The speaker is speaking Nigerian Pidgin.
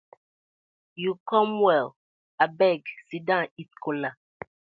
Yu com well, abeg siddon eat kola.